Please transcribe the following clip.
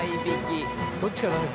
どっちかだね。